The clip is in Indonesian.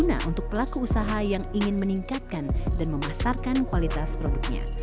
bagaimana untuk pelaku usaha yang ingin meningkatkan dan memasarkan kualitas produknya